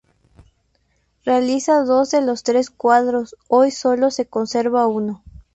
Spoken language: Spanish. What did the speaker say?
Realiza dos de los tres cuadros, hoy solo se conserva uno.